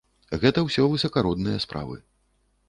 Гэта ўсё высакародныя справы.